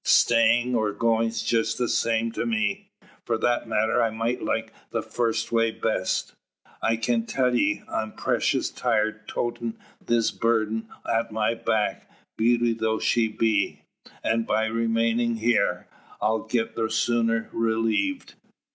"Stayin' or goin's jest the same to me. For that matter I might like the first way best. I kin tell ye I'm precious tired toatin this burden at my back, beauty though she be; an' by remainin' heer I'll get the sooner relieved.